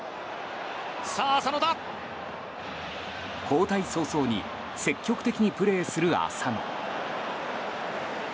交代早々に積極的にプレーする浅野。